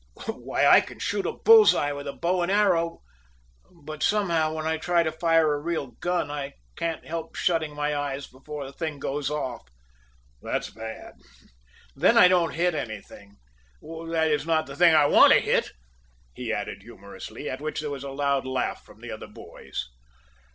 Why, I can shoot a bull's eye with a how and arrow. But somehow, when I try to fire a real gun, I can't help shutting my eyes before the thing goes off." "That's bad." "Then I don't hit anything that is, not the thing I want to hit," he added humorously, at which there was a loud laugh from the other boys.